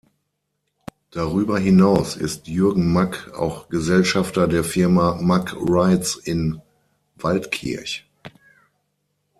Darüber hinaus ist Jürgen Mack auch Gesellschafter der Firma Mack Rides in Waldkirch.